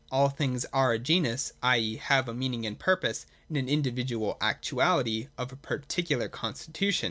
All things are a genus (i.e. have a meaning and purpose) in an individual actuality of a particular constitution.